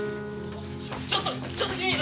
ちょっと！